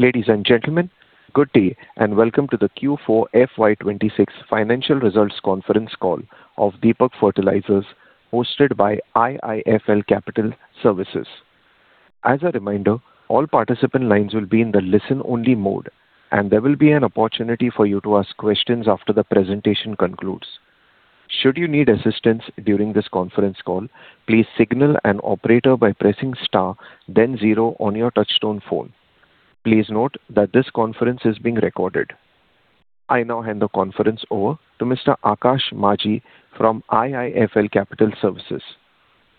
Ladies and gentlemen, good day and welcome to the Q4 FY 2026 financial results conference call of Deepak Fertilisers hosted by IIFL Capital Services. As a reminder, all participant lines will be in the listen-only mode, and there will be an opportunity for you to ask questions after the presentation concludes. Should you need assistance during this conference call, please signal an operator by pressing star then zero on your touch-tone phone. Please note that this conference is being recorded. I now hand the conference over to Mr. Aakash Maji from IIFL Capital Services.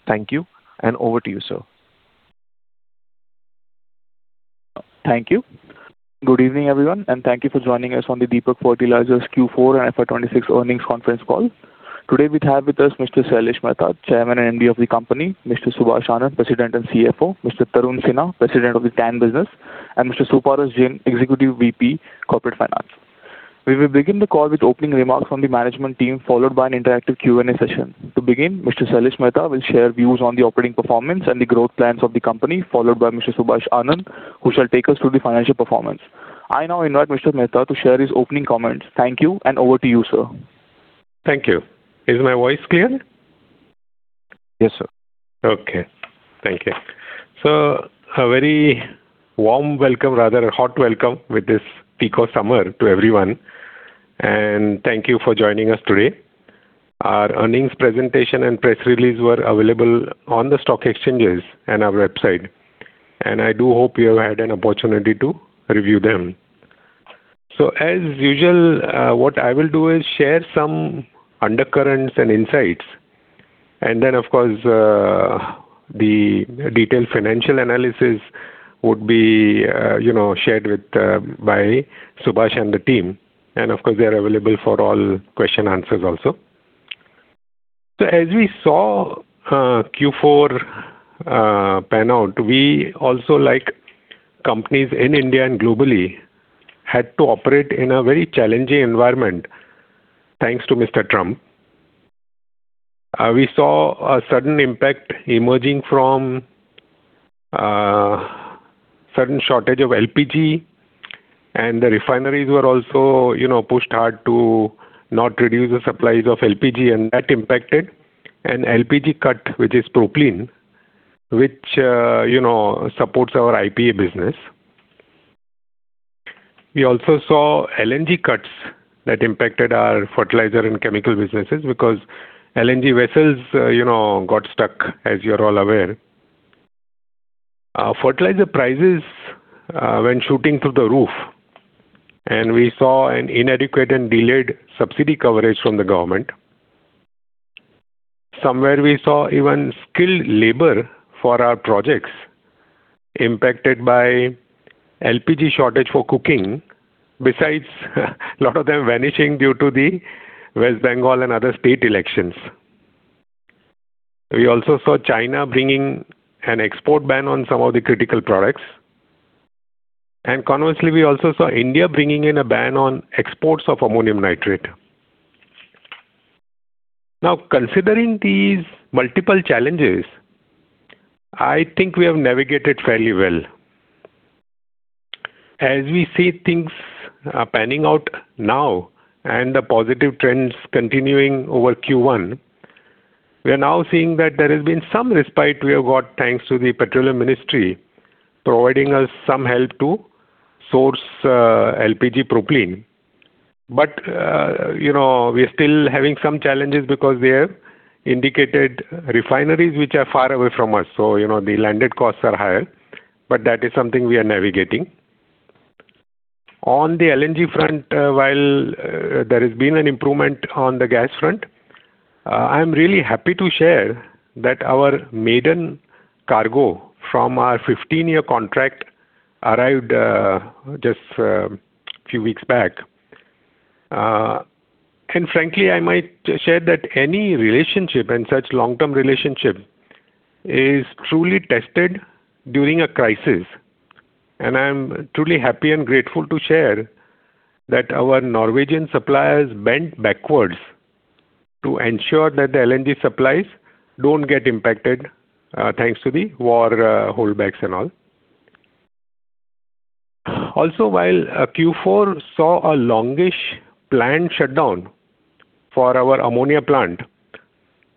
Thank you, and over to you, sir. Thank you. Good evening, everyone, and thank you for joining us on the Deepak Fertilisers Q4 and FY 2026 earnings conference call. Today, we have with us Mr. Sailesh C. Mehta, Chairman and Managing Director of the company, Mr. Subhash Anand, President and Chief Financial Officer, Mr. Tarun Sinha, President, Technical Ammonium Nitrate, and Mr. Suparas Jain, Executive Vice President, Corporate Finance. We will begin the call with opening remarks from the management team, followed by an interactive Q&A session. To begin, Mr. Sailesh Mehta will share views on the operating performance and the growth plans of the company, followed by Mr. Subhash Anand, who shall take us through the financial performance. I now invite Mr. Mehta to share his opening comments. Thank you, and over to you, sir. Thank you. Is my voice clear? Yes, sir. Okay. Thank you. A very warm welcome, rather a hot welcome with this peak of summer to everyone, and thank you for joining us today. Our earnings presentation and press release were available on the stock exchanges and our website. I do hope you have had an opportunity to review them. As usual, what I will do is share some undercurrents and insights. Of course, the detailed financial analysis would be shared by Subhash and the team. Of course, they are available for all question answers also. As we saw Q4 pan out, we also like companies in India and globally had to operate in a very challenging environment, thanks to Mr. Trump. We saw a sudden impact emerging from sudden shortage of LPG, and the refineries were also pushed hard to not reduce the supplies of LPG, and that impacted an LPG cut, which is propylene, which supports our IPA business. We also saw LNG cuts that impacted our fertilizer and chemical businesses because LNG vessels got stuck as you're all aware. Fertilizer prices went shooting through the roof, and we saw an inadequate and delayed subsidy coverage from the government. Somewhere we saw even skilled labor for our projects impacted by LPG shortage for cooking, besides a lot of them vanishing due to the West Bengal and other state elections. We also saw China bringing an export ban on some of the critical products. Conversely, we also saw India bringing in a ban on exports of ammonium nitrate. Now, considering these multiple challenges, I think we have navigated fairly well. As we see things panning out now and the positive trends continuing over Q1, we are now seeing that there has been some respite we have got thanks to the Petroleum Ministry providing us some help to source LPG propylene. We are still having some challenges because they have indicated refineries which are far away from us. The landed costs are higher, but that is something we are navigating. On the LNG front, while there has been an improvement on the gas front, I am really happy to share that our maiden cargo from our 15-year contract arrived just a few weeks back. Frankly, I might share that any relationship and such long-term relationship is truly tested during a crisis, and I am truly happy and grateful to share that our Norwegian suppliers bent backwards to ensure that the LNG supplies don't get impacted, thanks to the war holdbacks and all. Also, while Q4 saw a longish plant shutdown for our ammonia plant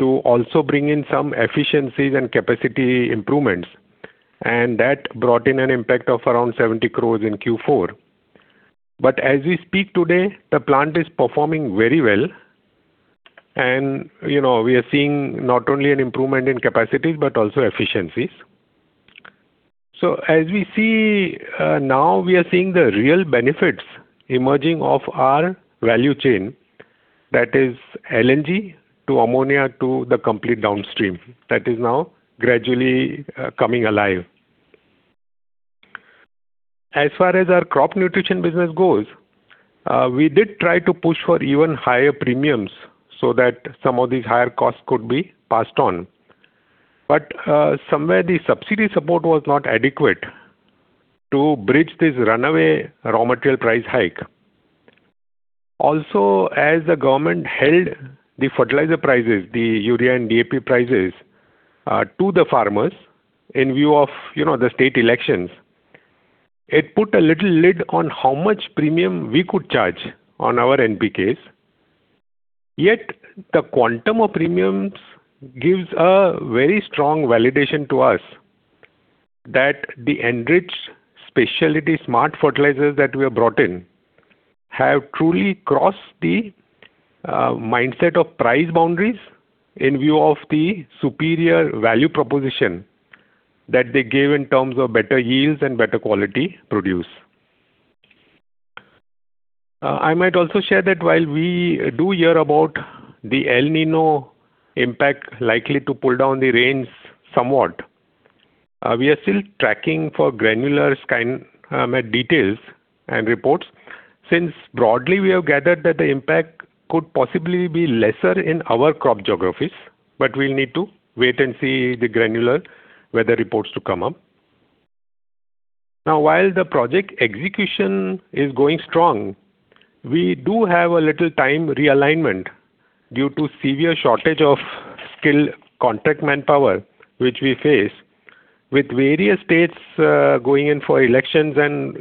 to also bring in some efficiencies and capacity improvements, and that brought in an impact of around 70 crores in Q4. As we speak today, the plant is performing very well and we are seeing not only an improvement in capacity but also efficiencies. As we see now, we are seeing the real benefits emerging of our value chain, that is LNG to ammonia to the complete downstream that is now gradually coming alive. As far as our crop nutrition business goes, we did try to push for even higher premiums so that some of these higher costs could be passed on. Somewhere the subsidy support was not adequate to bridge this runaway raw material price hike. Also, as the government held the fertilizer prices, the urea and DAP prices to the farmers in view of the state elections, it put a little lid on how much premium we could charge on our NPKs. The quantum of premiums gives a very strong validation to us that the enriched specialty smart fertilizers that we have brought in have truly crossed the mindset of price boundaries in view of the superior value proposition that they give in terms of better yields and better quality produce. I might also share that while we do hear about the El Niño impact likely to pull down the rains somewhat, we are still tracking for granular details and reports. Broadly, we have gathered that the impact could possibly be lesser in our crop geographies, but we'll need to wait and see the granular weather reports to come up. While the project execution is going strong, we do have a little time realignment due to severe shortage of skilled contract manpower, which we face with various states going in for elections, and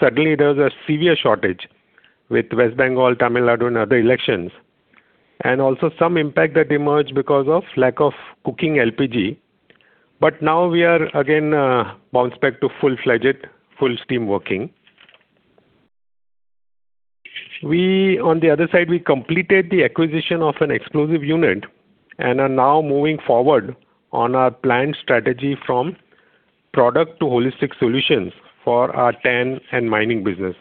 suddenly there's a severe shortage with West Bengal, Tamil Nadu, and other elections. Also some impact that emerged because of lack of cooking LPG. Now we are again bounced back to full-fledged, full steam working. On the other side, we completed the acquisition of an explosive unit and are now moving forward on our planned strategy from product to holistic solutions for our TAN and mining business.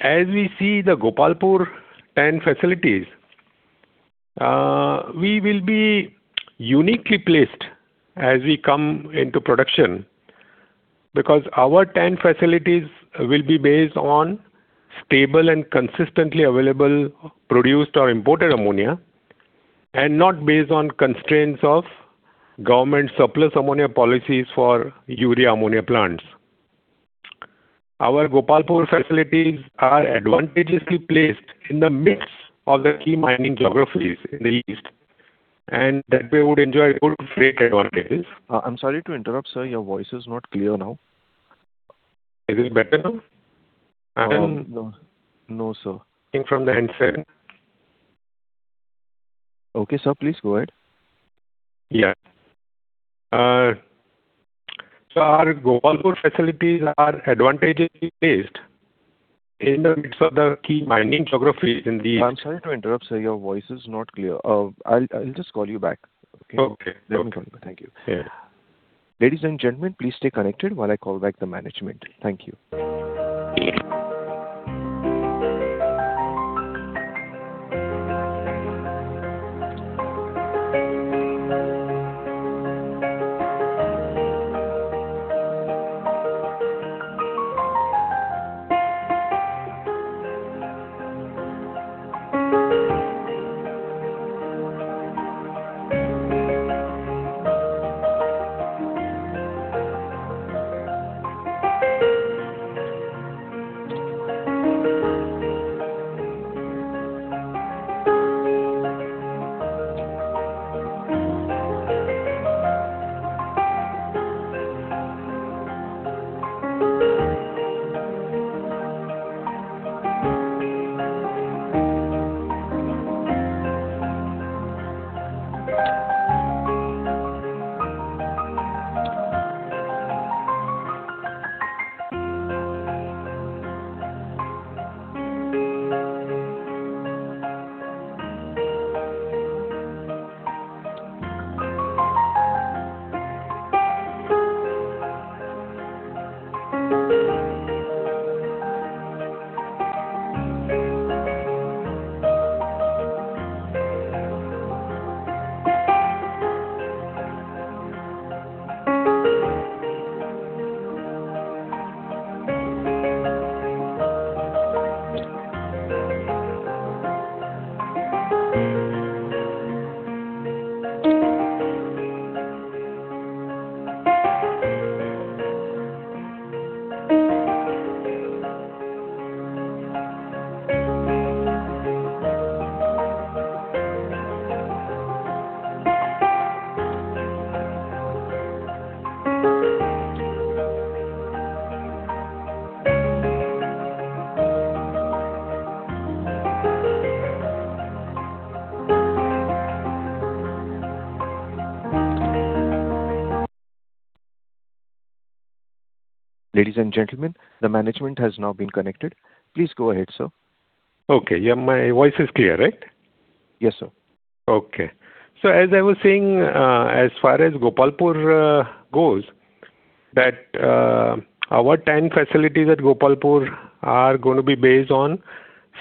As we see the Gopalpur TAN facilities, we will be uniquely placed as we come into production because our TAN facilities will be based on stable and consistently available produced or imported ammonia and not based on constraints of government surplus ammonia policies for urea ammonia plants. Our Gopalpur facilities are advantageously placed in the midst of the key mining geographies in the east, and that way would enjoy good freight advantages. I'm sorry to interrupt, sir. Your voice is not clear now. Is it better now? No. No, sir. Speaking from the handset. Okay, sir, please go ahead. Yeah. Our Gopalpur facilities are advantageously based in the midst of the key mining geographies in the east. I'm sorry to interrupt, sir. Your voice is not clear. I'll just call you back. Okay. Okay. Let me call you back. Thank you. Yeah. Ladies and gentlemen, please stay connected while I call back the management. Thank you. Ladies and gentlemen, the management has now been connected. Please go ahead, sir. Okay. My voice is clear, right? Yes, sir. As I was saying, as far as Gopalpur goes, that our TAN facilities at Gopalpur are going to be based on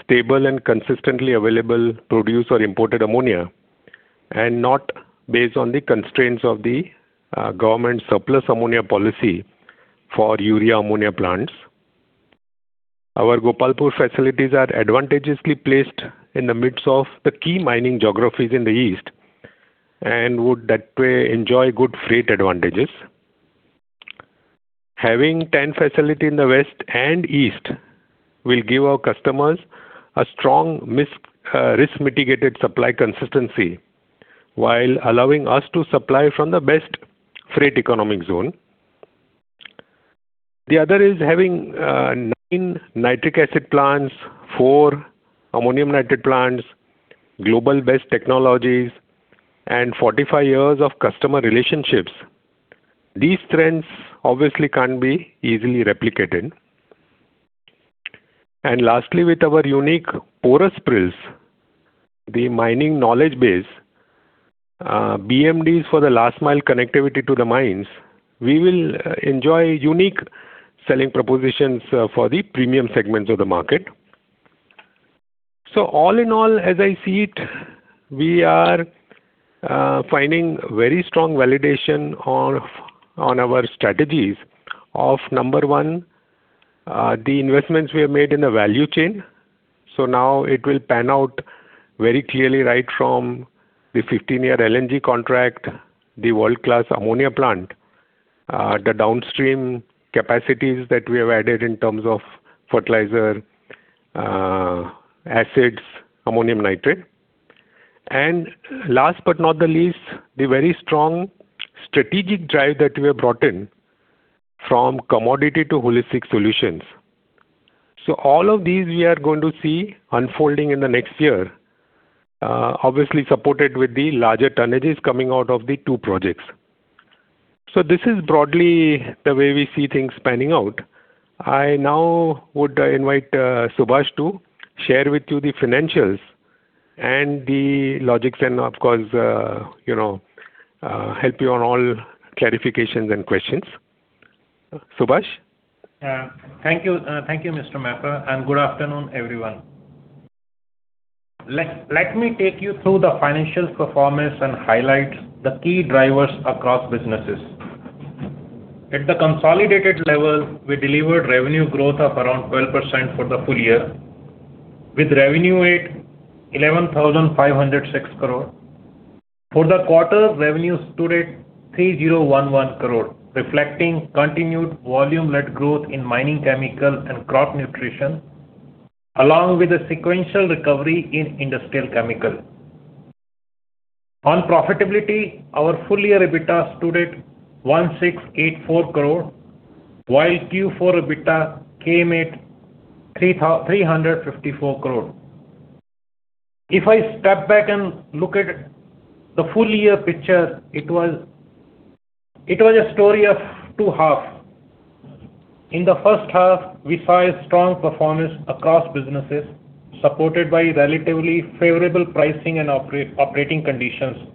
stable and consistently available produced or imported ammonia and not based on the constraints of the government surplus ammonia policy for urea ammonia plants. Our Gopalpur facilities are advantageously placed in the midst of the key mining geographies in the east and would that way enjoy good freight advantages. Having TAN facility in the west and east will give our customers a strong risk mitigated supply consistency while allowing us to supply from the best freight economic zone. The other is having nine nitric acid plants, four ammonium nitrate plants, global best technologies and 45 years of customer relationships. These strengths obviously can't be easily replicated. Lastly, with our unique porous prills, the mining knowledge base, BMD for the last mile connectivity to the mines, we will enjoy unique selling propositions for the premium segments of the market. All in all, as I see it, we are finding very strong validation on our strategies of number one, the investments we have made in the value chain. Now it will pan out very clearly right from the 15-year LNG contract, the world-class ammonia plant, the downstream capacities that we have added in terms of fertilizer, acids, ammonium nitrate. Last but not the least, the very strong strategic drive that we have brought in from commodity to holistic solutions. All of these we are going to see unfolding in the next year, obviously supported with the larger tonnages coming out of the two projects. This is broadly the way we see things panning out. I now would invite Subhash to share with you the financials and the logics and of course help you on all clarifications and questions. Subhash? Thank you, Mr. Mehta, and good afternoon, everyone. Let me take you through the financial performance and highlight the key drivers across businesses. At the consolidated level, we delivered revenue growth of around 12% for the full year with revenue at 11,506 crore. For the quarter, revenues stood at 3,011 crore, reflecting continued volume-led growth in mining chemical and crop nutrition, along with a sequential recovery in industrial chemical. On profitability, our full year EBITDA stood at 1,684 crore while Q4 EBITDA came at 354 crore. If I step back and look at the full year picture, it was a story of two halves. In the first half, we saw a strong performance across businesses, supported by relatively favorable pricing and operating conditions.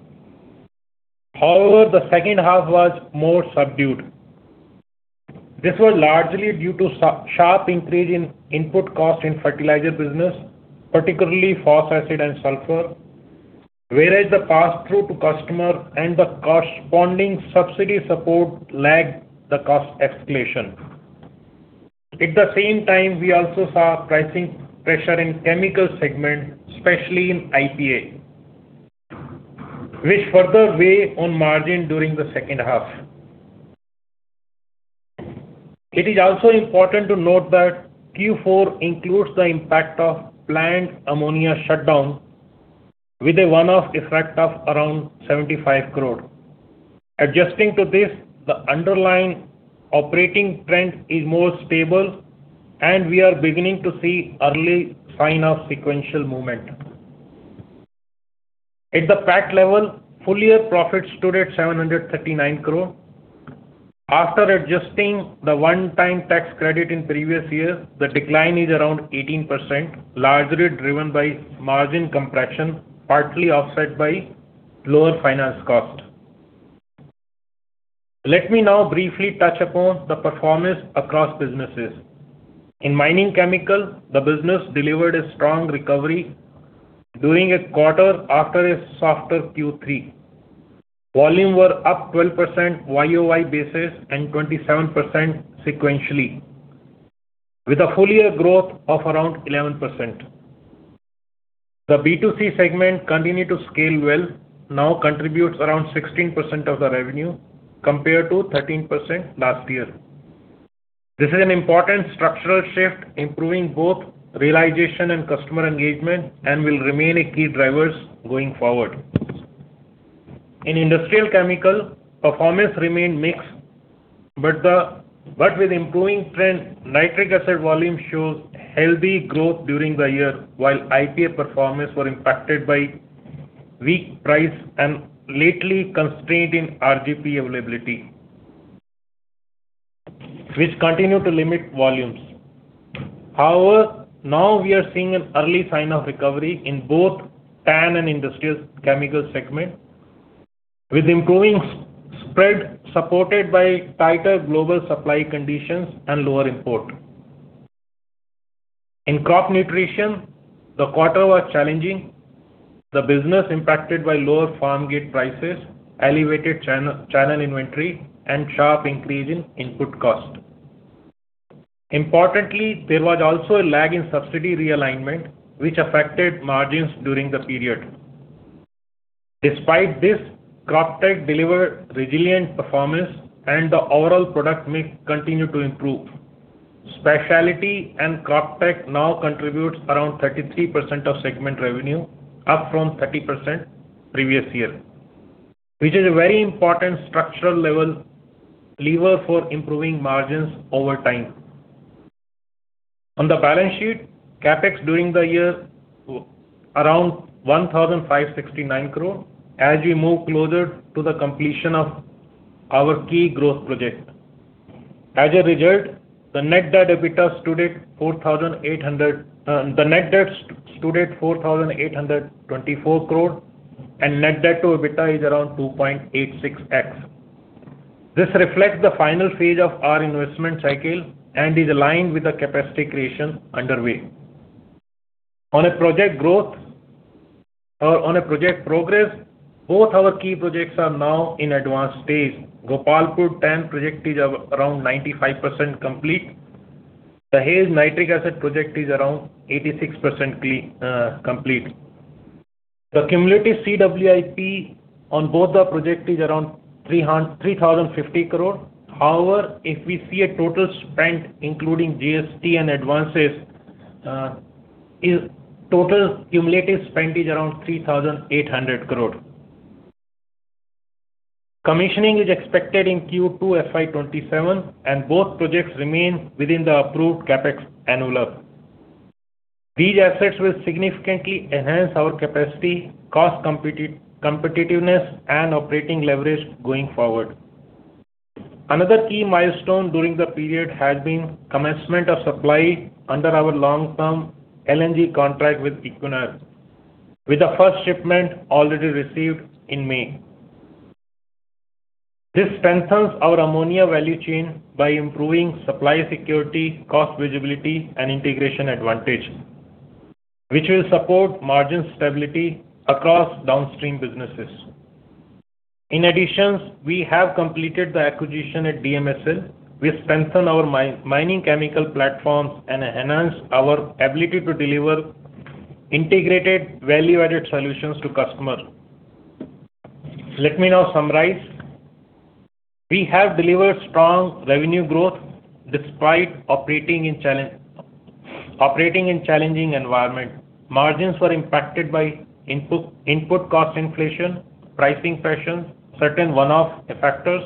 However, the second half was more subdued. This was largely due to sharp increase in input cost in fertilizer business, particularly phos acid and sulfur. The pass-through to customer and the corresponding subsidy support lagged the cost escalation. At the same time, we also saw pricing pressure in chemical segment, especially in IPA, which further weigh on margin during the second half. It is also important to note that Q4 includes the impact of planned ammonia shutdown with a one-off effect of around 75 crore. Adjusting to this, the underlying operating trend is more stable, and we are beginning to see early sign of sequential movement. At the PAT level, full year profits stood at 739 crore. After adjusting the one-time tax credit in previous year, the decline is around 18%, largely driven by margin compression, partly offset by lower finance cost. Let me now briefly touch upon the performance across businesses. In mining chemical, the business delivered a strong recovery during a quarter after a softer Q3. Volumes were up 12% year-over-year basis and 27% sequentially, with a full year growth of around 11%. The B2C segment continues to scale well, now contributes around 16% of the revenue compared to 13% last year. This is an important structural shift, improving both realization and customer engagement and will remain a key driver going forward. In industrial chemical, performance remained mixed, but with improving trend, nitric acid volume shows healthy growth during the year, while IPA performance were impacted by weak price and lately constraint in RGP availability, which continues to limit volumes. Now we are seeing an early sign of recovery in both TAN and industrial chemical segment with improving spread supported by tighter global supply conditions and lower import. In crop nutrition, the quarter was challenging. The business impacted by lower farm gate prices, elevated channel inventory and sharp increase in input cost. Importantly, there was also a lag in subsidy realignment, which affected margins during the period. Despite this, Croptek delivered resilient performance and the overall product mix continued to improve. Specialty and Croptek now contributes around 33% of segment revenue, up from 30% previous year, which is a very important structural lever for improving margins over time. On the balance sheet, CapEx during the year around 1,569 crore as we move closer to the completion of our key growth project. As a result, the net debt stood at 4,824 crore and net debt to EBITDA is around 2.86x. This reflects the final phase of our investment cycle and is aligned with the capacity creation underway. On a project progress, both our key projects are now in advanced stage. Gopalpur TAN project is around 95% complete. The Dahej nitric acid project is around 86% complete. The cumulative CWIP on both the project is around 3,050 crore. If we see a total spend including GST and advances, total cumulative spend is around 3,800 crore. Commissioning is expected in Q2 FY27, both projects remain within the approved CapEx envelope. These assets will significantly enhance our capacity, cost competitiveness, and operating leverage going forward. Another key milestone during the period has been commencement of supply under our long-term LNG contract with Equinor, with the first shipment already received in May. This strengthens our ammonia value chain by improving supply security, cost visibility, and integration advantage, which will support margin stability across downstream businesses. We have completed the acquisition at DMSL, which strengthen our mining chemical platforms and enhance our ability to deliver integrated value-added solutions to customer. Let me now summarize. We have delivered strong revenue growth despite operating in challenging environment. Margins were impacted by input cost inflation, pricing pressures, certain one-off factors,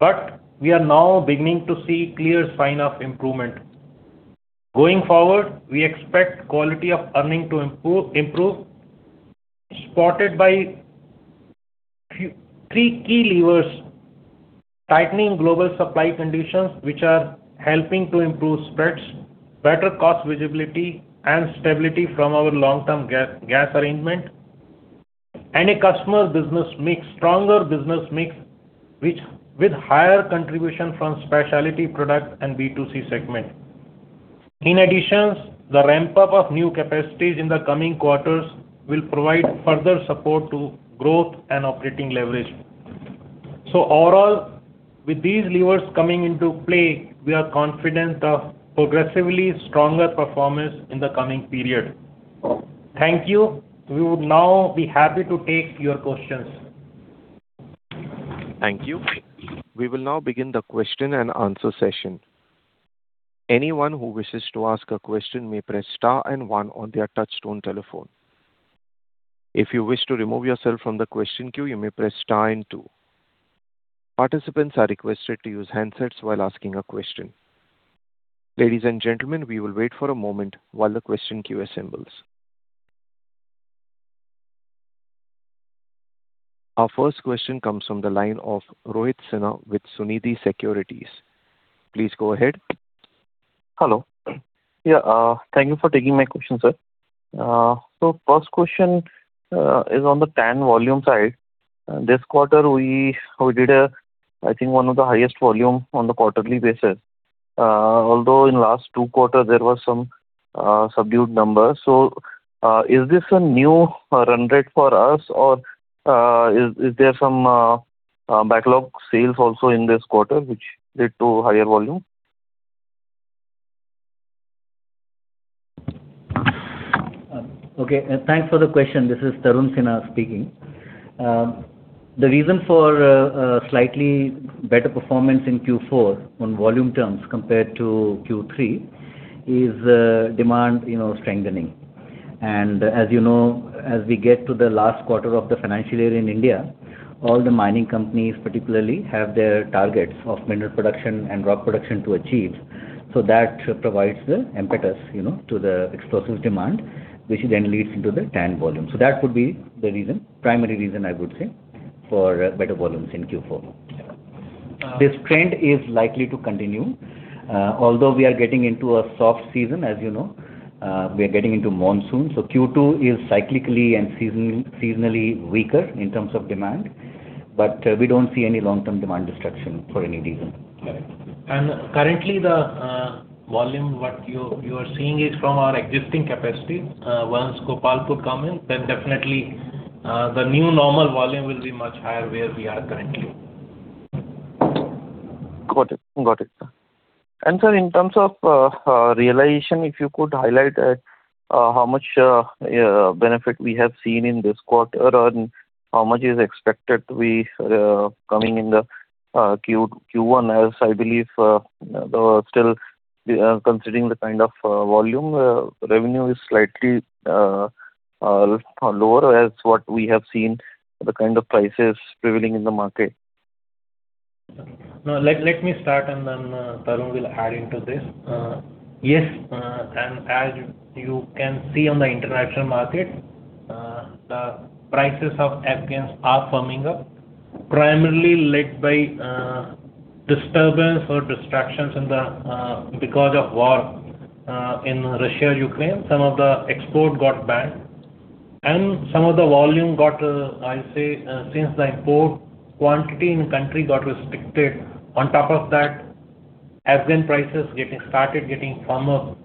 but we are now beginning to see clear sign of improvement. Going forward, we expect quality of earning to improve, supported by three key levers: tightening global supply conditions, which are helping to improve spreads, better cost visibility, and stability from our long-term gas arrangement. A stronger business mix with higher contribution from specialty product and B2C segment. In addition, the ramp-up of new capacities in the coming quarters will provide further support to growth and operating leverage. Overall, with these levers coming into play, we are confident of progressively stronger performance in the coming period. Thank you. We would now be happy to take your questions. Thank you. We will now begin the question and answer session. Anyone who wishes to ask a question may press star and one on their touchtone telephone. If you wish to remove yourself from the question queue, you may press star and two. Participants are requested to use handsets while asking a question. Ladies and gentlemen, we will wait for a moment while the question queue assembles. Our first question comes from the line of Rohit Sinha with Sunidhi Securities. Please go ahead. Hello. Yeah, thank you for taking my question, sir. First question is on the TAN volume side. This quarter, we did, I think, one of the highest volume on the quarterly basis. Although in last two quarters, there was some subdued numbers. Is this a new run rate for us or is there some backlog sales also in this quarter which led to higher volume? Okay, thanks for the question. This is Tarun Sinha speaking. The reason for slightly better performance in Q4 on volume terms compared to Q3 is demand strengthening. As you know, as we get to the last quarter of the financial year in India, all the mining companies particularly have their targets of mineral production and rock production to achieve. That provides the impetus to the explosives demand, which then leads into the TAN volume. That would be the primary reason I would say for better volumes in Q4. This trend is likely to continue. Although we are getting into a soft season, as you know. We are getting into monsoon. Q2 is cyclically and seasonally weaker in terms of demand, but we don't see any long-term demand destruction for any reason. Currently the volume what you are seeing is from our existing capacity. Once Gopalpur comes in, then definitely the new normal volume will be much higher where we are currently. Got it. Sir, in terms of realization, if you could highlight how much benefit we have seen in this quarter, and how much is expected to be coming in the Q1, as I believe, still considering the kind of volume, revenue is slightly lower as what we have seen the kind of prices prevailing in the market. No, let me start and then Tarun will add into this. Yes, as you can see on the international market, the prices of AN are firming up, primarily led by disturbance or distractions because of war in Russia, Ukraine. Some of the export got banned and some of the volume got, I'll say, since the import quantity in country got restricted. On top of that, AN prices started getting firmer.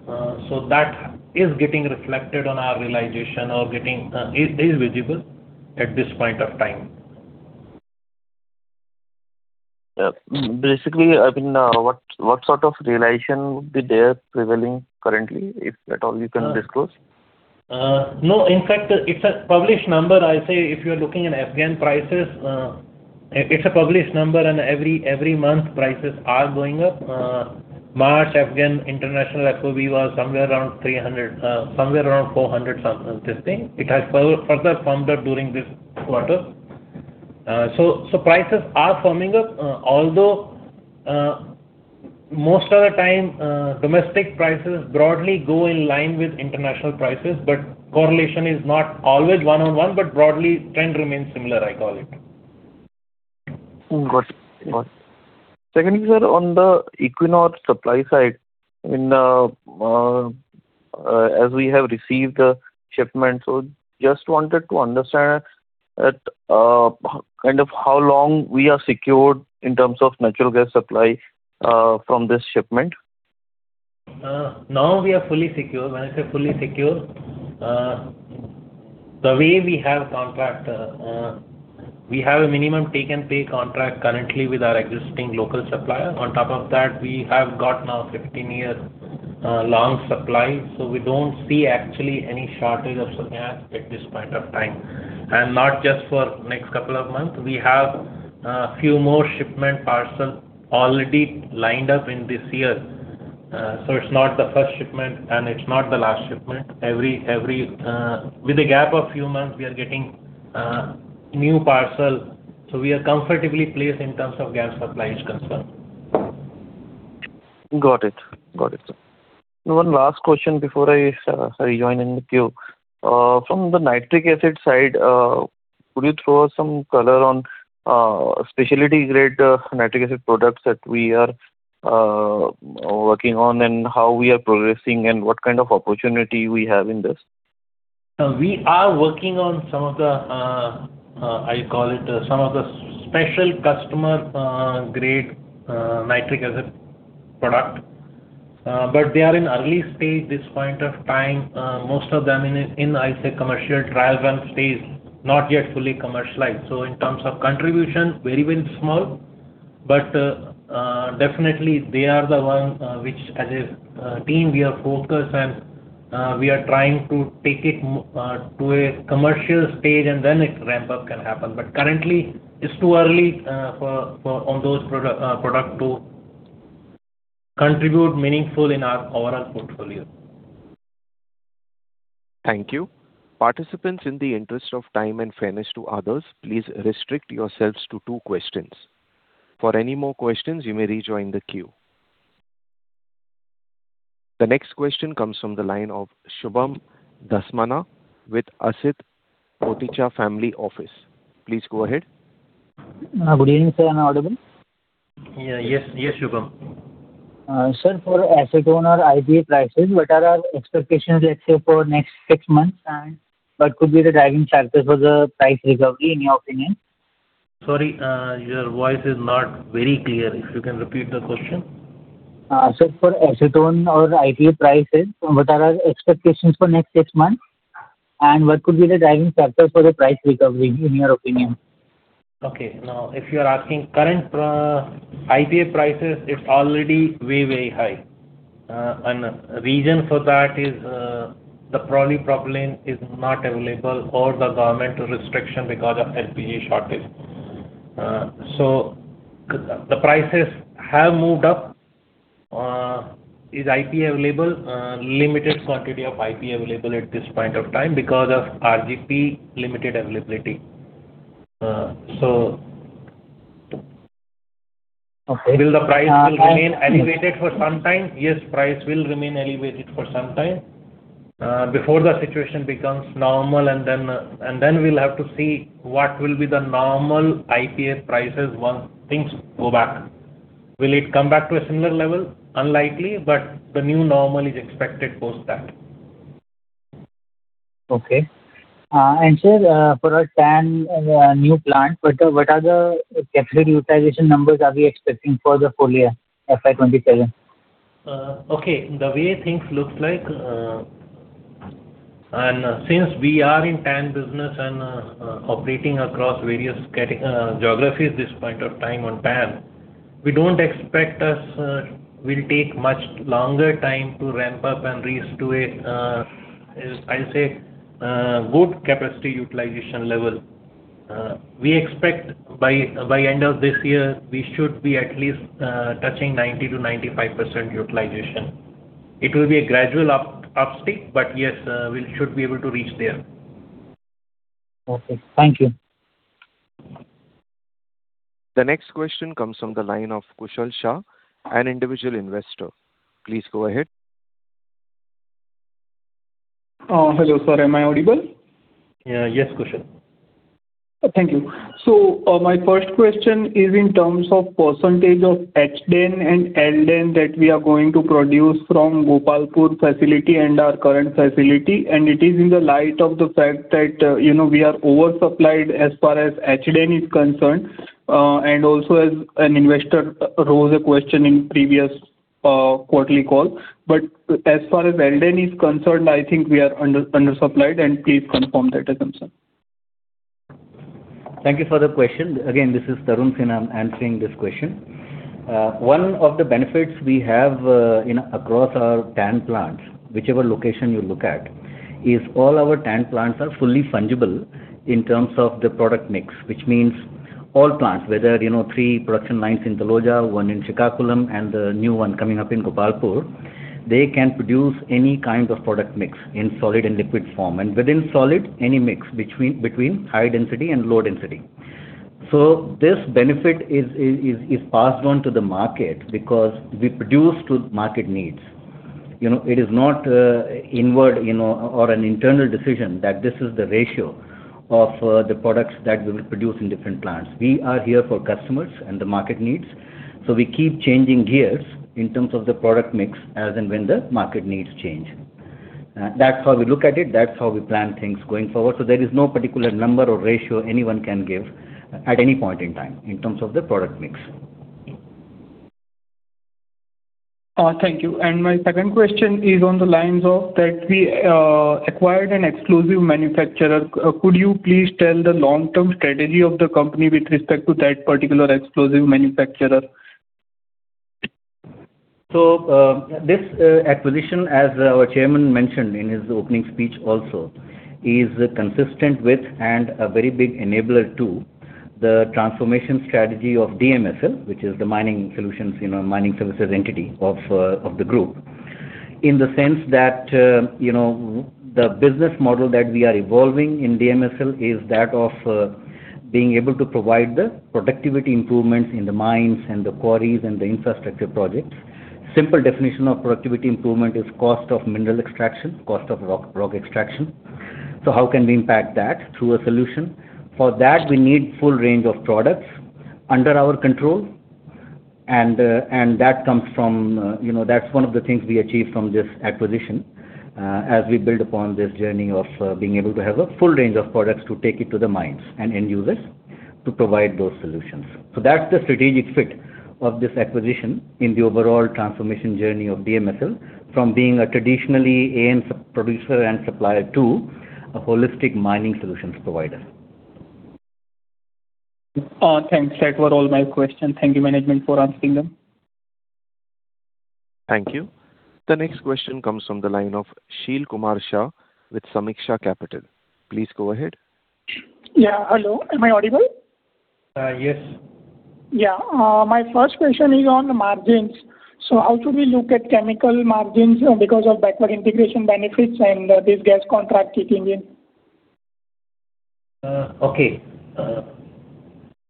That is getting reflected on our realization or is visible at this point of time. Yeah. Basically, what sort of realization would be there prevailing currently, if at all you can disclose? No. In fact, it's a published number. I say if you're looking at AN prices, it's a published number and every month prices are going up. March AN international FOB was somewhere around 400 something. It has further firmed up during this quarter. Prices are firming up, although most of the time domestic prices broadly go in line with international prices, but correlation is not always one-on-one, but broadly trend remains similar, I call it. Got it. Secondly, sir, on the Equinor supply side, as we have received the shipment, so just wanted to understand that how long we are secured in terms of natural gas supply from this shipment? Now we are fully secure. When I say fully secure, the way we have contract, we have a minimum take-and-pay contract currently with our existing local supplier. On top of that, we have got now 15 years long supply. We don't see actually any shortage of gas at this point of time. Not just for next couple of months, we have few more shipment parcel already lined up in this year. It's not the first shipment and it's not the last shipment. With a gap of few months, we are getting new parcel. We are comfortably placed in terms of gas supply is concerned. Got it. One last question before I rejoin in the queue. From the nitric acid side, could you throw some color on specialty grade nitric acid products that we are working on and how we are progressing and what kind of opportunity we have in this? We are working on some of the, I call it, some of the special customer grade nitric acid product. They are in early stage this point of time. Most of them in, I say, commercial trial run phase, not yet fully commercialized. In terms of contribution, very, very small. Definitely they are the one which as a team we are focused and we are trying to take it to a commercial stage and then its ramp-up can happen. Currently it's too early on those product to contribute meaningful in our overall portfolio. Thank you. Participants, in the interest of time and fairness to others, please restrict yourselves to two questions. For any more questions, you may rejoin the queue. The next question comes from the line of Shubham Dhasmana with Asit Koticha Family Office. Please go ahead. Good evening, sir. Am I audible? Yes, Shubham. Sir, for acetone or IPA prices, what are our expectations, let's say, for next six months, and what could be the driving factors for the price recovery in your opinion? Sorry, your voice is not very clear. If you can repeat the question. Sir, for acetone or IPA prices, what are our expectations for next six months, and what could be the driving factor for the price recovery in your opinion? Okay. Now, if you're asking current IPA prices, it's already very high. Reason for that is the propylene is not available or the governmental restriction because of LPG shortage. The prices have moved up. Is IPA available? Limited quantity of IPA available at this point of time because of RGP limited availability. Okay Will the price remain elevated for some time? Yes, price will remain elevated for some time, before the situation becomes normal, and then we'll have to see what will be the normal IPA prices once things go back. Will it come back to a similar level? Unlikely, but the new normal is expected post that. Okay. Sir, for our TAN new plant, what are the capacity utilization numbers are we expecting for the full year FY 2027? Okay. The way things look like, and since we are in TAN business and operating across various geographies this point of time on TAN, we don't expect us will take much longer time to ramp up and reach to a, I'll say, good capacity utilization level. We expect by end of this year, we should be at least touching 90%-95% utilization. It will be a gradual upstate, but yes, we should be able to reach there. Okay. Thank you. The next question comes from the line of Kushal Shah, an Individual Investor. Please go ahead. Hello, sir. Am I audible? Yes, Kushal. Thank you. My first question is in terms of percentage of HDAN and LDAN that we are going to produce from Gopalpur facility and our current facility, and it is in the light of the fact that we are oversupplied as far as HDAN is concerned, and also as an investor rose a question in previous quarterly call. As far as LDAN is concerned, I think we are undersupplied and please confirm that assumption. Thank you for the question. Again, this is Tarun Sinha answering this question. One of the benefits we have across our TAN plants, whichever location you look at, is all our TAN plants are fully fungible in terms of the product mix, which means all plants, whether three production lines in Taloja, one in Srikakulam, and the new one coming up in Gopalpur, they can produce any kind of product mix in solid and liquid form. Within solid, any mix between high density and low density. This benefit is passed on to the market because we produce to market needs. It is not inward or an internal decision that this is the ratio of the products that we will produce in different plants. We are here for customers and the market needs. We keep changing gears in terms of the product mix as and when the market needs change. That's how we look at it, that's how we plan things going forward. There is no particular number or ratio anyone can give at any point in time in terms of the product mix. Thank you. My second question is on the lines of that we acquired an explosives manufacturer. Could you please tell the long-term strategy of the company with respect to that particular explosives manufacturer? This acquisition, as our chairman mentioned in his opening speech also, is consistent with and a very big enabler to the transformation strategy of DMSL, which is the mining solutions, mining services entity of the group. The business model that we are evolving in DMSL is that of being able to provide the productivity improvements in the mines and the quarries and the infrastructure projects. Simple definition of productivity improvement is cost of mineral extraction, cost of rock extraction. How can we impact that? Through a solution. For that, we need full range of products under our control, and that's one of the things we achieved from this acquisition as we build upon this journey of being able to have a full range of products to take it to the mines and end users to provide those solutions. That's the strategic fit of this acquisition in the overall transformation journey of DMSL from being a traditionally AN producer and supplier to a holistic mining solutions provider. Thanks. That were all my questions. Thank you, management, for answering them. Thank you. The next question comes from the line of Sheel Kumar Shah with Sameeksha Capital. Please go ahead. Yeah. Hello, am I audible? Yes. Yeah. My first question is on margins. How should we look at chemical margins because of backlog integration benefits and this gas contract kicking in? Okay.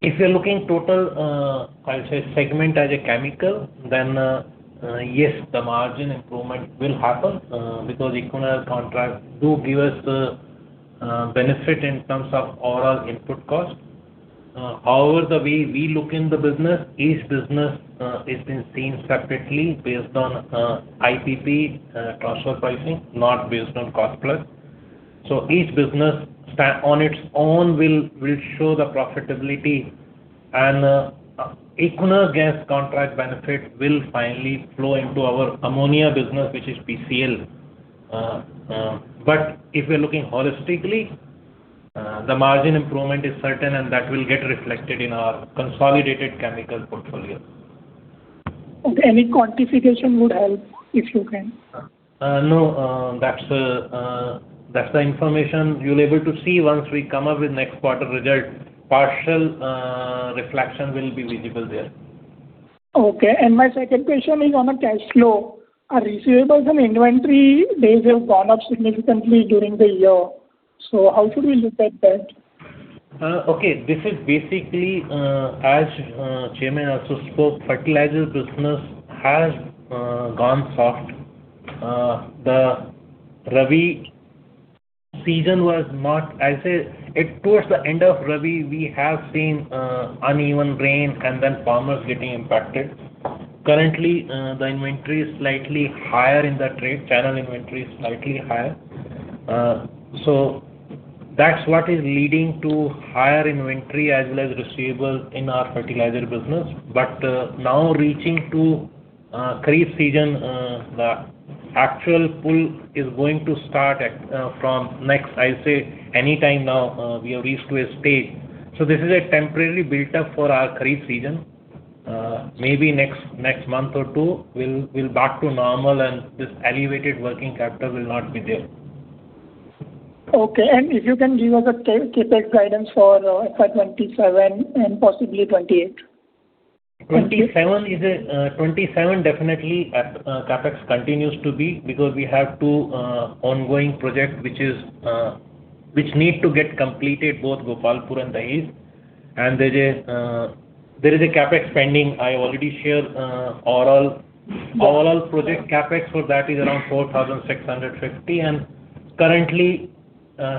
If you're looking total, I'll say segment as a chemical, then yes, the margin improvement will happen because Equinor contract do give us benefit in terms of overall input cost. However, the way we look in the business, each business is being seen separately based on IPP transfer pricing, not based on cost plus. Each business on its own will show the profitability and Equinor gas contract benefit will finally flow into our ammonia business, which is PCL. If you're looking holistically, the margin improvement is certain, and that will get reflected in our consolidated chemical portfolio. Okay, any quantification would help if you can. No, that's the information you'll able to see once we come up with next quarter result. Partial reflection will be visible there. Okay. My second question is on the cash flow. Our receivables and inventory days have gone up significantly during the year. How should we look at that? Okay. This is basically as Chairman also spoke, fertilizers business has gone soft. The Rabi season was not, I'll say, towards the end of Rabi, we have seen uneven rain and then farmers getting impacted. Currently, the inventory is slightly higher in that trade. Channel inventory is slightly higher. That's what is leading to higher inventory as well as receivable in our fertiliser business. Now reaching to kharif season, the actual pull is going to start from next, I say anytime now, we have reached to a stage. This is a temporarily built up for our kharif season. Maybe next month or two, we'll back to normal and this elevated working capital will not be there. Okay. If you can give us a Capex guidance for FY 2027 and possibly FY 2028. FY 2027 definitely CapEx continues to be, because we have two ongoing projects which need to get completed, both Gopalpur and Dahej. There is a CapEx spending. I already shared all project CapEx for that is around 4,650 crore. Currently,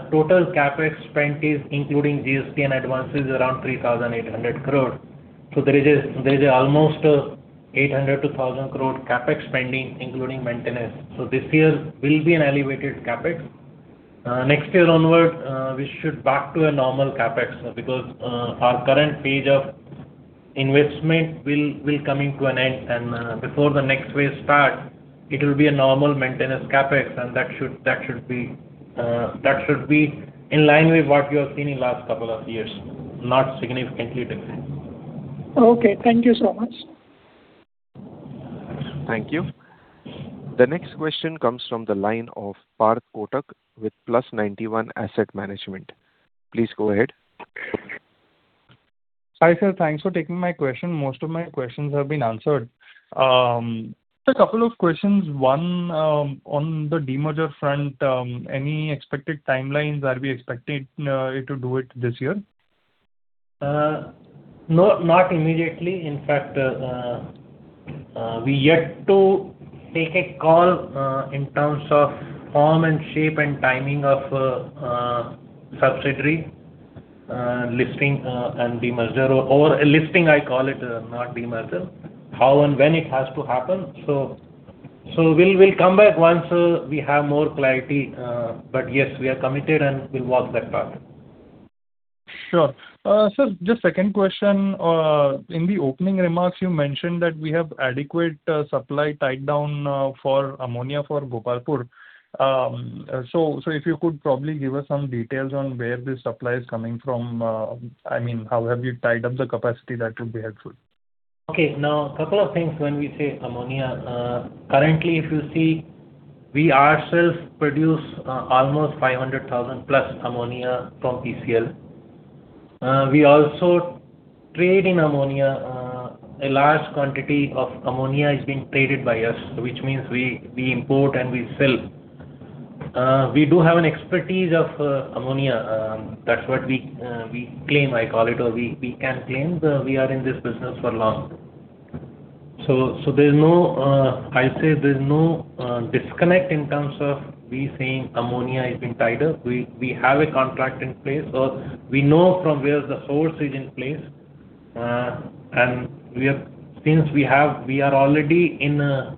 total CapEx spent is including GST and advances around 3,800 crore. There is almost 800 crore-1,000 crore CapEx spending, including maintenance. This year will be an elevated CapEx. Next year onward, we should back to a normal CapEx because our current page of investment will coming to an end, and before the next wave start, it will be a normal maintenance CapEx, and that should be in line with what you have seen in last couple of years, not significantly different. Okay. Thank you so much. Thank you. The next question comes from the line of Parth Kotak with Plus91 Asset Management. Please go ahead. Hi, sir. Thanks for taking my question. Most of my questions have been answered. Just a couple of questions. One, on the demerger front, any expected timelines? Are we expected to do it this year? No, not immediately. We yet to take a call in terms of form and shape and timing of subsidiary listing and demerger, or a listing I call it, not demerger. How and when it has to happen. We'll come back once we have more clarity. Yes, we are committed and we'll walk that path. Sure. Sir, just second question. In the opening remarks, you mentioned that we have adequate supply tied down for ammonia for Gopalpur. If you could probably give us some details on where this supply is coming from, how have you tied up the capacity, that would be helpful. Okay. Couple of things when we say ammonia. Currently, if you see, we ourselves produce almost 500,000 plus ammonia from PCL. We also trade in ammonia. A large quantity of ammonia is being traded by us, which means we import and we sell. We do have an expertise of ammonia. That's what we claim, I call it, or we can claim, we are in this business for long. I say there's no disconnect in terms of we saying ammonia is being tied up. We have a contract in place, or we know from where the source is in place. Since we are already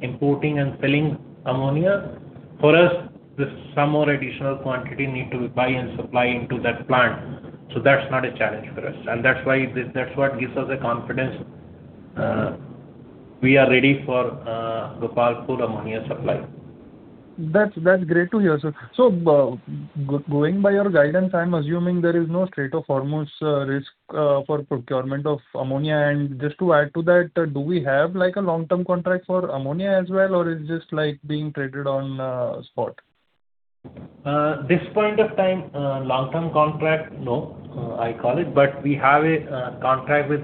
importing and selling ammonia, for us, this some more additional quantity need to buy and supply into that plant. That's not a challenge for us. That's what gives us the confidence we are ready for Gopalpur ammonia supply. That's great to hear, sir. Going by your guidance, I'm assuming there is no trade or force majeure risk for procurement of ammonia. Just to add to that, do we have a long-term contract for ammonia as well, or it's just being traded on spot? This point of time, long-term contract, no, I call it, but we have a contract with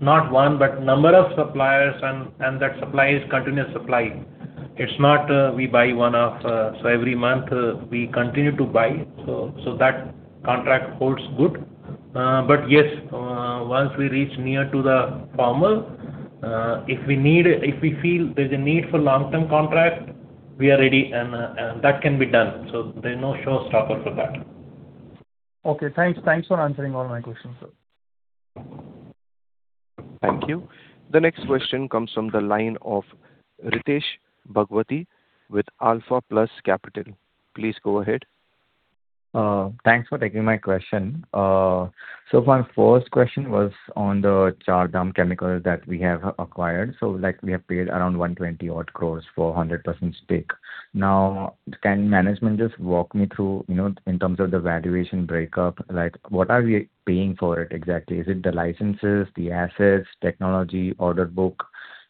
not one, but number of suppliers, and that supply is continuous supply. It's not we buy one-off. Every month we continue to buy, so that contract holds good. Yes, once we reach near to the farmer, if we feel there's a need for long-term contract, we are ready, and that can be done. There is no showstopper for that. Okay, thanks. Thanks for answering all my questions, sir. Thank you. The next question comes from the line of Ritesh Bhagwati with Alpha Plus Capital. Please go ahead. Thanks for taking my question. My first question was on the Chardham Chemicals that we have acquired. Like we have paid around 120 odd crores for 100% stake. Now, can management just walk me through in terms of the valuation breakup, like what are we paying for it exactly? Is it the licenses, the assets, technology, order book?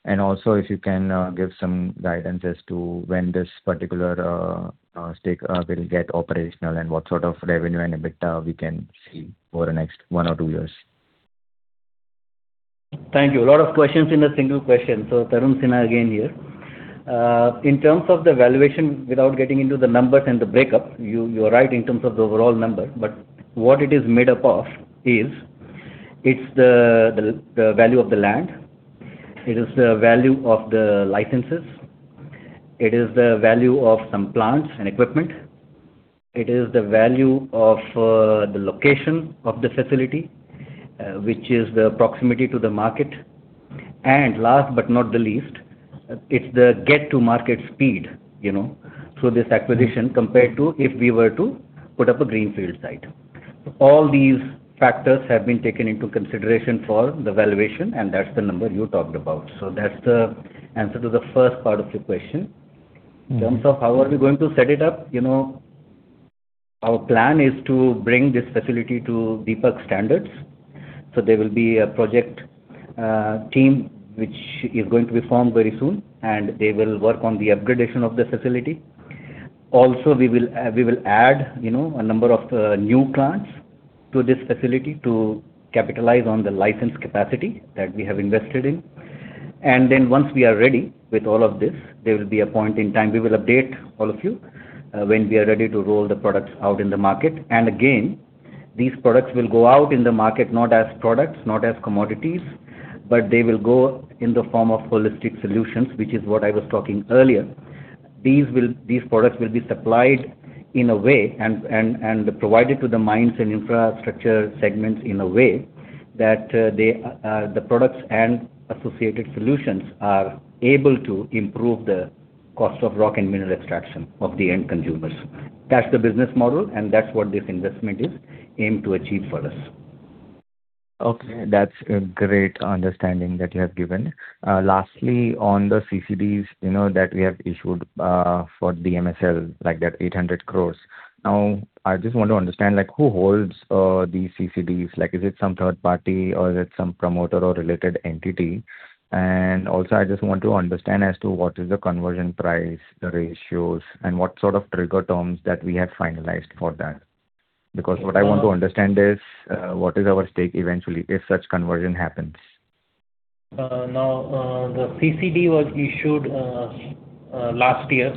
Also if you can give some guidance as to when this particular stake will get operational and what sort of revenue and EBITDA we can see over the next one or two years. Thank you. A lot of questions in a single question. Tarun Sinha again here. In terms of the valuation, without getting into the numbers and the breakup, you are right in terms of the overall number, but what it is made up of is, it's the value of the land. It is the value of the licenses. It is the value of some plants and equipment. It is the value of the location of the facility, which is the proximity to the market. Last but not the least, it's the get to market speed through this acquisition, compared to if we were to put up a greenfield site. All these factors have been taken into consideration for the valuation, and that's the number you talked about. That's the answer to the first part of your question. In terms of how are we going to set it up, our plan is to bring this facility to Deepak's standards. There will be a project team, which is going to be formed very soon, and they will work on the upgradation of the facility. Also, we will add a number of new plants to this facility to capitalize on the licensed capacity that we have invested in. Once we are ready with all of this, there will be a point in time we will update all of you when we are ready to roll the products out in the market. These products will go out in the market not as products, not as commodities, but they will go in the form of holistic solutions, which is what I was talking earlier. These products will be supplied in a way and provided to the mines and infrastructure segments in a way that the products and associated solutions are able to improve the cost of rock and mineral extraction of the end consumers. That's the business model, and that's what this investment is aimed to achieve for us. Okay. That's a great understanding that you have given. Lastly, on the CCDs that we have issued for DMSL, like that 800 crore. I just want to understand who holds these CCDs? Is it some third party or is it some promoter or related entity? I just want to understand as to what is the conversion price, the ratios, and what sort of trigger terms that we have finalized for that. What I want to understand is what is our stake eventually if such conversion happens. The CCD was issued last year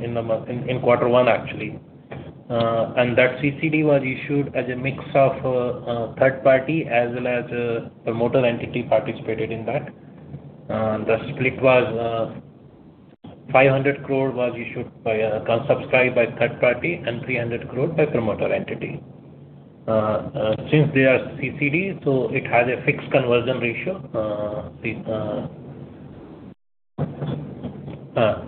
in quarter one, actually, and that CCD was issued as a mix of third party as well as a promoter entity participated in that. The split was 500 crore was issued by, subscribed by third party and 300 crore by promoter entity. Since they are CCD, so it has a fixed conversion ratio.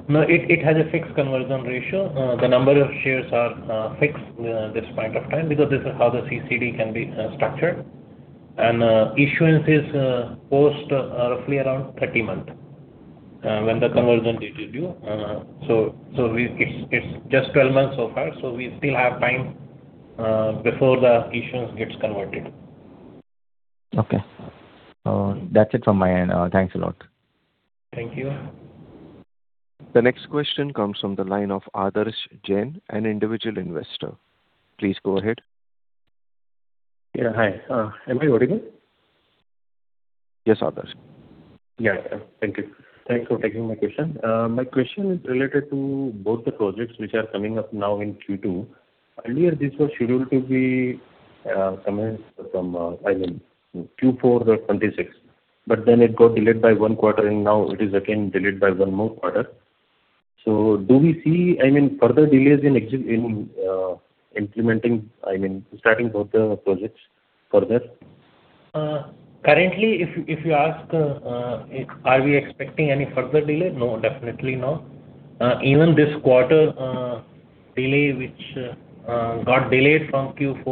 No, it has a fixed conversion ratio. The number of shares are fixed at this point of time because this is how the CCD can be structured, and issuance is post roughly around 30 month when the conversion is due. It's just 12 months so far, so we still have time before the issuance gets converted. Okay. That's it from my end. Thanks a lot. Thank you. The next question comes from the line of Adarsh Jain, an Individual Investor. Please go ahead. Yeah, hi. Am I audible? Yes, Adarsh. Yeah. Thank you. Thanks for taking my question. My question is related to both the projects which are coming up now in Q2. Earlier, this was scheduled to be commenced from Q4 2026, but then it got delayed by one quarter, and now it is again delayed by one more quarter. Do we see further delays in implementing, starting both the projects further? Currently, if you ask are we expecting any further delay? No, definitely not. Even this quarter delay, which got delayed from Q1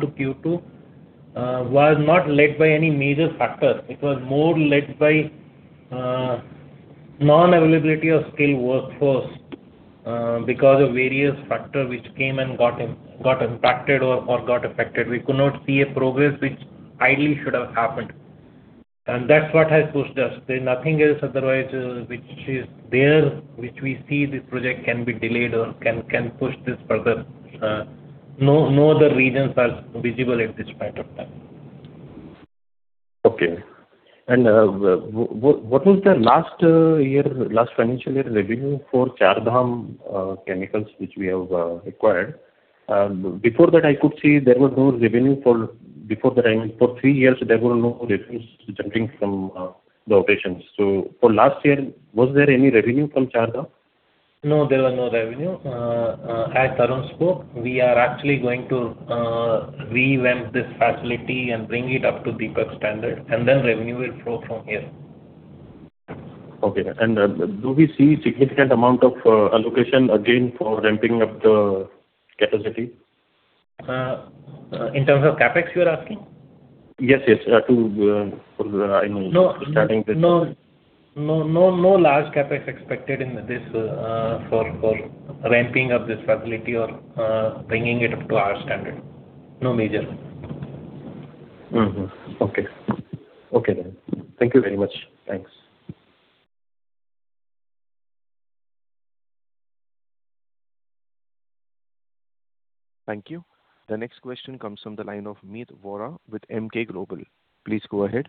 to Q2, was not led by any major factor. It was more led by non-availability of skilled workforce because of various factors which came and got impacted or got affected. We could not see a progress which ideally should have happened, and that's what has pushed us. There's nothing else otherwise which is there, which we see this project can be delayed or can push this further. No other reasons are visible at this point of time. Okay. What was the last financial year revenue for Chardham Chemicals, which we have acquired? Before that I could see there was no revenue for three years, there were no revenues generating from the operations. For last year, was there any revenue from Chardham? No, there was no revenue. As Tarun spoke, we are actually going to revamp this facility and bring it up to Deepak standard, and then revenue will flow from here. Okay. Do we see significant amount of allocation again for ramping up the capacity? In terms of CapEx, you're asking? Yes. No large CapEx expected in this for ramping up this facility or bringing it up to our standard. No major. Okay. Okay then. Thank you very much. Thanks. Thank you. The next question comes from the line of Meet Vora with Emkay Global. Please go ahead.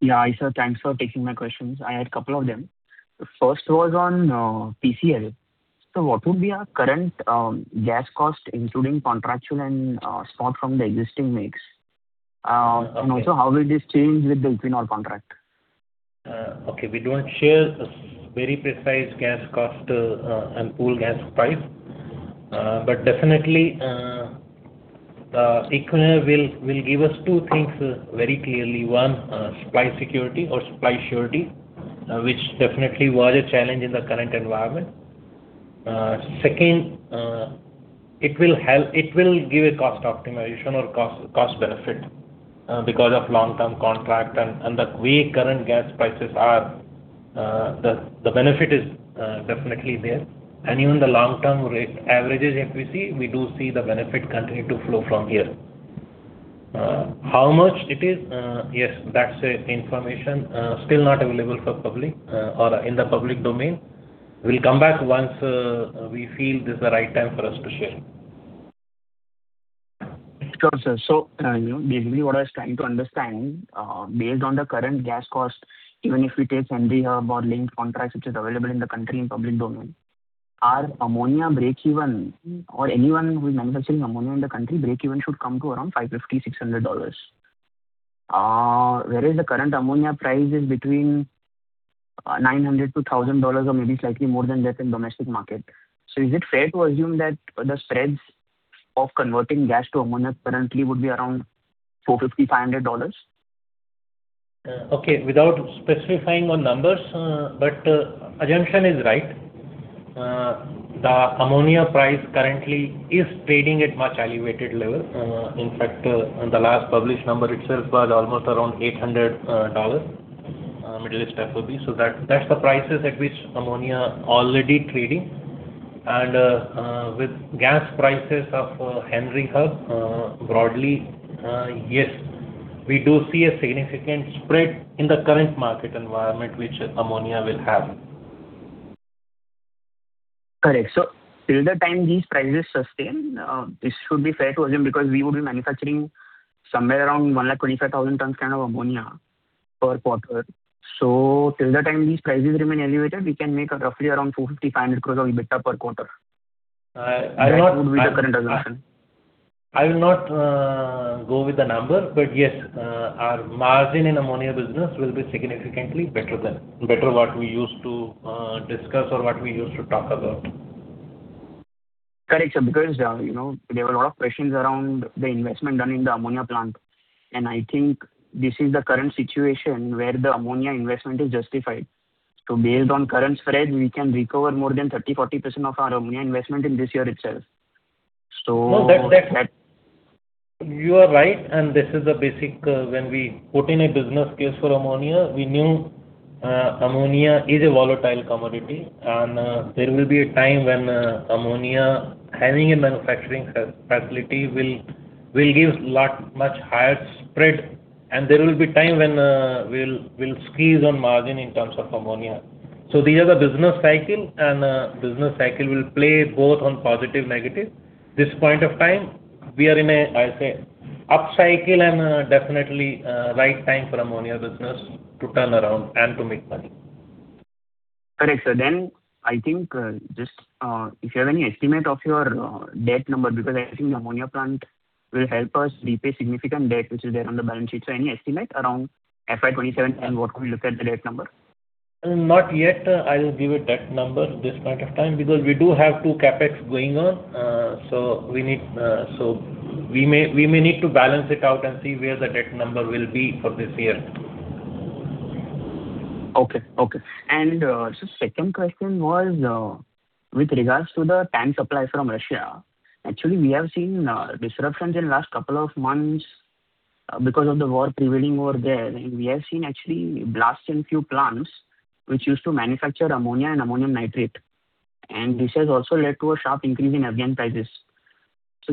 Yeah. Hi, sir. Thanks for taking my questions. I had couple of them. The first was on PCL. What would be our current gas cost, including contractual and spot from the existing mix? Also how will this change with the Equinor contract? Okay, we don't share a very precise gas cost and pool gas price. Definitely, Equinor will give us two things very clearly. One, supply security or supply surety, which definitely was a challenge in the current environment. Second, it will give a cost optimization or cost benefit because of long-term contract and the way current gas prices are, the benefit is definitely there. Even the long-term rate averages, if we see, we do see the benefit continue to flow from here. How much it is? Yes, that's information still not available in the public domain. We'll come back once we feel this is the right time for us to share. Sure, sir. Basically, what I was trying to understand, based on the current gas cost, even if we take Henry Hub or linked contracts which is available in the country in public domain, our ammonia breakeven or anyone who is manufacturing ammonia in the country, breakeven should come to around $550, $600. Whereas the current ammonia price is between $900-$1,000, or maybe slightly more than that in domestic market. Is it fair to assume that the spreads of converting gas to ammonia currently would be around $450, $500? Okay. Without specifying on numbers, assumption is right. The ammonia price currently is trading at much elevated level. In fact, the last published number itself was almost around $800 Middle East FOB. That's the prices at which ammonia already trading. With gas prices of Henry Hub, broadly, yes, we do see a significant spread in the current market environment which ammonia will have. Correct. Till the time these prices sustain, this should be fair to assume because we would be manufacturing somewhere around 125,000 tons kind of ammonia per quarter. Till the time these prices remain elevated, we can make roughly around 250-500 crores of EBITDA per quarter. I- That would be the current assumption. I will not go with the number, but yes, our margin in ammonia business will be significantly better what we used to discuss or what we used to talk about. Correct, sir. There were a lot of questions around the investment done in the ammonia plant, and I think this is the current situation where the ammonia investment is justified. Based on current spread, we can recover more than 30%-40% of our ammonia investment in this year itself. No, you are right. This is the basic when we put in a business case for Ammonia, we knew Ammonia is a volatile commodity, there will be a time when Ammonia, having a manufacturing facility will give lot much higher spread, there will be a time when we'll squeeze on margin in terms of Ammonia. These are the business cycle, and business cycle will play both on positive, negative. This point of time, we are in a, I'll say, up cycle and definitely right time for Ammonia business to turn around and to make money. Correct, sir. I think, just if you have any estimate of your debt number, because I think the ammonia plant will help us repay significant debt which is there on the balance sheet. Any estimate around FY 2027 and what could we look at the debt number? Not yet I'll give a debt number this point of time because we do have two CapEx going on. We may need to balance it out and see where the debt number will be for this year. Okay. Sir, second question was with regards to the TAN supply from Russia. Actually, we have seen disruptions in last couple of months because of the war prevailing over there. We have seen actually blasts in few plants which used to manufacture ammonia and ammonium nitrate, and this has also led to a sharp increase in AN prices.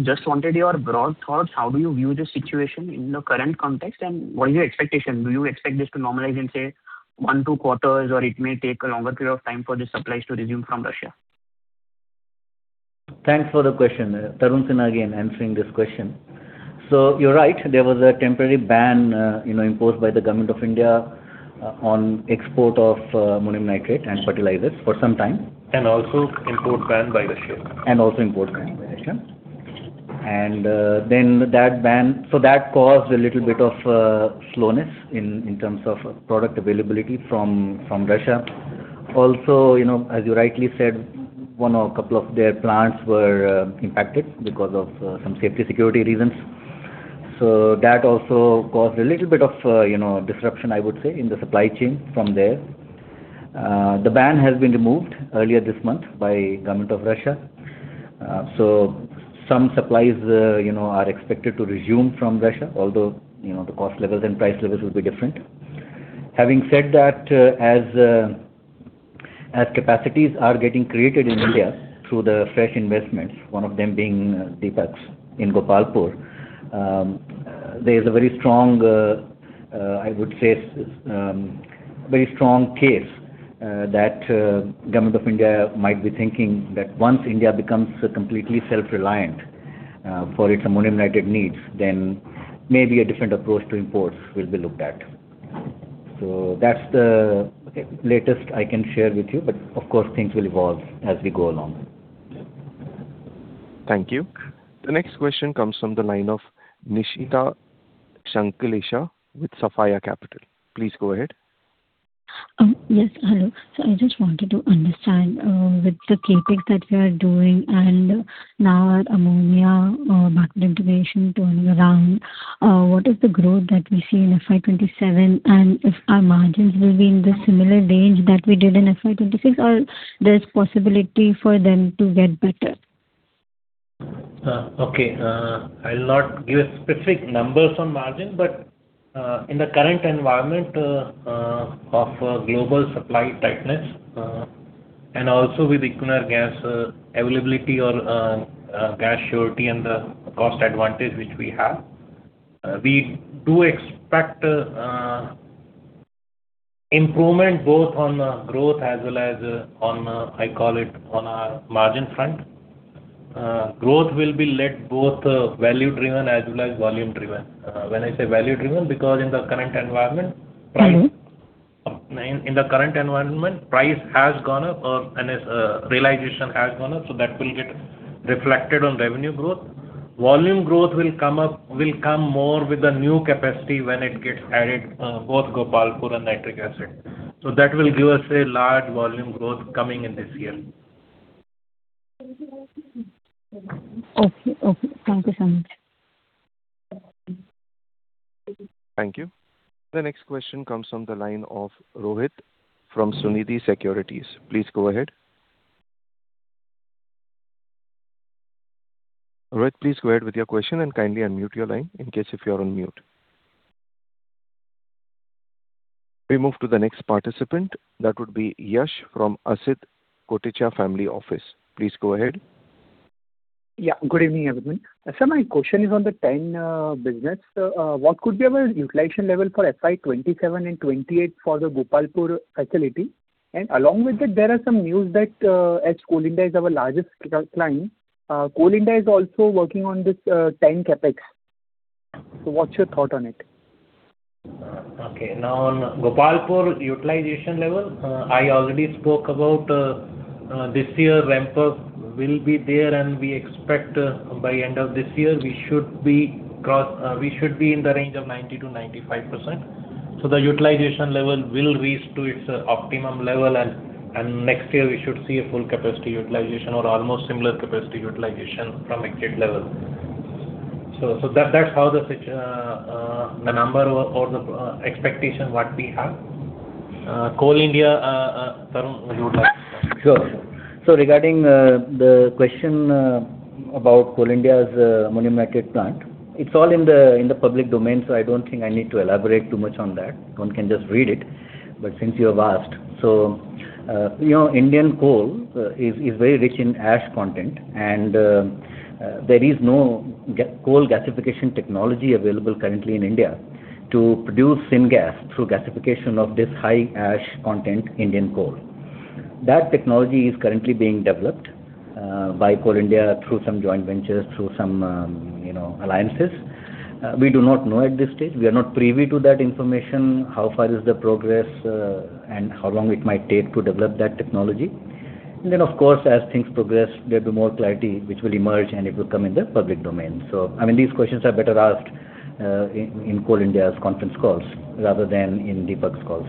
Just wanted your broad thoughts, how do you view the situation in the current context, and what is your expectation? Do you expect this to normalize in, say, one, two quarters, or it may take a longer period of time for the supplies to resume from Russia? Thanks for the question. Tarun Sinha again answering this question. You're right, there was a temporary ban imposed by the Government of India on export of ammonium nitrate and fertilizers for some time. Also import ban by Russia. Also import ban by Russia. That caused a little bit of slowness in terms of product availability from Russia. Also, as you rightly said, one or a couple of their plants were impacted because of some safety, security reasons. That also caused a little bit of disruption, I would say, in the supply chain from there. The ban has been removed earlier this month by Government of Russia. Some supplies are expected to resume from Russia, although the cost levels and price levels will be different. Having said that, as capacities are getting created in India through the fresh investments, one of them being Deepak's in Gopalpur, there is a very strong case that Government of India might be thinking that once India becomes completely self-reliant for its ammonium nitrate needs, then maybe a different approach to imports will be looked at. That's the latest I can share with you. Of course, things will evolve as we go along. Thank you. The next question comes from the line of Nishita Shanklesha with Sapphire Capital. Please go ahead. Yes. Hello. I just wanted to understand with the CapEx that we are doing and now ammonia backward integration turning around, what is the growth that we see in FY 2027? If our margins will be in the similar range that we did in FY 2026, or there's possibility for them to get better? Okay. I'll not give specific numbers on margin, but in the current environment of global supply tightness, and also with the corner gas availability or gas surety and the cost advantage which we have, we do expect improvement both on growth as well as on, I call it, on our margin front. Growth will be led both value driven as well as volume driven. When I say value driven, because in the current environment, price has gone up or realization has gone up, so that will get reflected on revenue growth. Volume growth will come more with the new capacity when it gets added, both Gopalpur and nitric acid. That will give us a large volume growth coming in this year. Thank you very much. Okay. Thank you so much. Thank you. The next question comes from the line of Rohit from Sunidhi Securities. Please go ahead. Rohit, please go ahead with your question and kindly unmute your line in case if you are on mute. We move to the next participant. That would be Yash from Asit Koticha Family Office. Please go ahead. Yeah. Good evening, everyone. Sir, my question is on the TAN business. What could be our utilization level for FY 2027 and 2028 for the Gopalpur facility? Along with that, there are some news that as Coal India is our largest client, Coal India is also working on this TAN CapEx. What's your thought on it? On Gopalpur utilization level, I already spoke about this year ramp up will be there and we expect by end of this year we should be in the range of 90%-95%. The utilization level will reach to its optimum level and next year we should see a full capacity utilization or almost similar capacity utilization from exit level. That's how the number or the expectation what we have. Coal India, Tarun, would you like to comment? Sure. Regarding the question about Coal India's ammonium nitrate plant, it's all in the public domain, so I don't think I need to elaborate too much on that. One can just read it. Since you have asked, so Indian coal is very rich in ash content, and there is no coal gasification technology available currently in India to produce syngas through gasification of this high ash content Indian coal. That technology is currently being developed by Coal India through some joint ventures, through some alliances. We do not know at this stage. We are not privy to that information, how far is the progress, and how long it might take to develop that technology. Then, of course, as things progress, there'll be more clarity which will emerge, and it will come in the public domain. These questions are better asked in Coal India's conference calls rather than in Deepak's calls.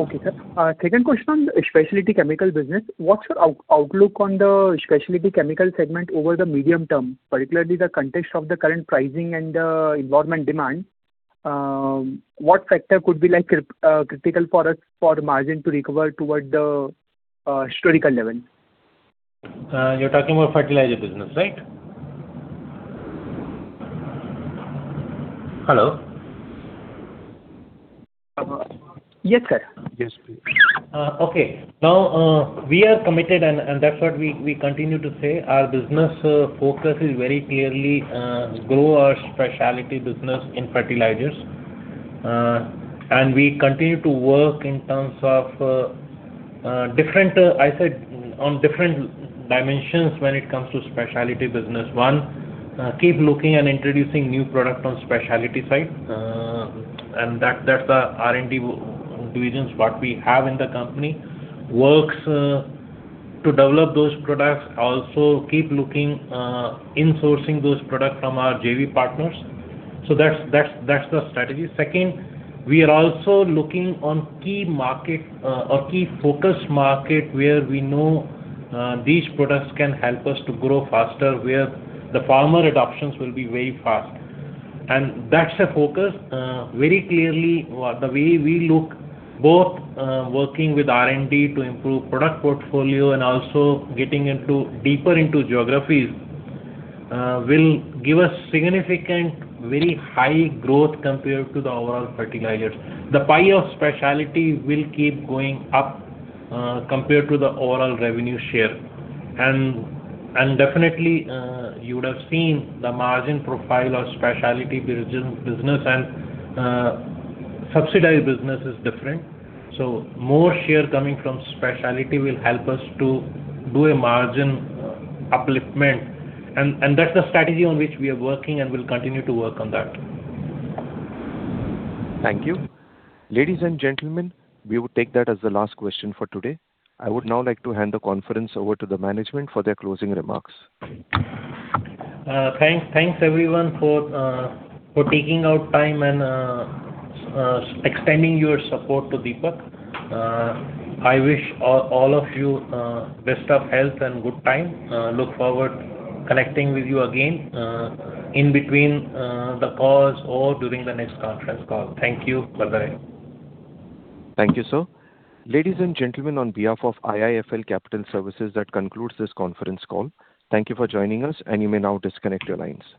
Okay, sir. Second question on specialty chemical business. What's your outlook on the specialty chemical segment over the medium term, particularly the context of the current pricing and environment demand? What factor could be critical for us for margin to recover toward the historical level? You're talking about fertilizer business, right? Hello? Yes, sir. Okay. We are committed, and that's what we continue to say. Our business focus is very clearly grow our specialty business in fertilizers. We continue to work in terms of, I said, on different dimensions when it comes to specialty business. One, keep looking and introducing new product on specialty side. That's the R&D divisions what we have in the company, works to develop those products. Also keep looking insourcing those products from our JV partners. That's the strategy. Second, we are also looking on key focus market where we know these products can help us to grow faster, where the farmer adoptions will be very fast. That's a focus. Very clearly, the way we look both working with R&D to improve product portfolio and also getting deeper into geographies, will give us significant, very high growth compared to the overall fertilizers. The pie of specialty will keep going up compared to the overall revenue share. Definitely, you would have seen the margin profile of specialty business and subsidized business is different. More share coming from specialty will help us to do a margin upliftment. That's the strategy on which we are working and will continue to work on that. Thank you. Ladies and gentlemen, we would take that as the last question for today. I would now like to hand the conference over to the management for their closing remarks. Thanks everyone for taking out time and extending your support to Deepak. I wish all of you best of health and good time. Look forward connecting with you again, in between the pause or during the next conference call. Thank you for the same. Thank you, sir. Ladies and gentlemen, on behalf of IIFL Capital Services, that concludes this conference call. Thank you for joining us, and you may now disconnect your lines.